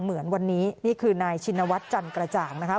เหมือนวันนี้นี่คือนายชินวัฒน์จันกระจ่างนะคะ